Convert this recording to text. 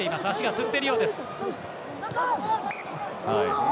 つっているようです。